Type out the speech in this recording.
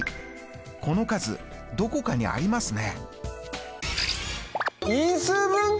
この数どこかにありますね。